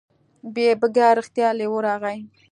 بیا رښتیا لیوه راغی.